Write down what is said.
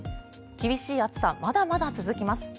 厳しい暑さはまだまだ続きます。